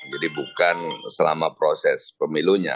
jadi bukan selama proses pemilunya